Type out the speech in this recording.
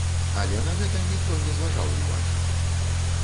Але на гэта ніхто не зважаў увагі.